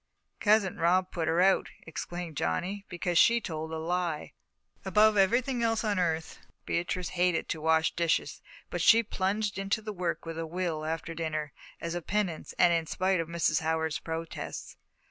"Cousin Rob put her out," explained Johnny, "because she told a lie." Above everything else on earth, Beatrice hated to wash dishes, but she plunged into the work with a will after dinner, as a penance, and in spite of Mrs. Howard's protests.